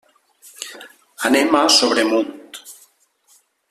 Anem a Sobremunt.